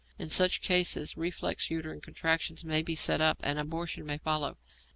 In such cases reflex uterine contractions may be set up, and abortion may follow.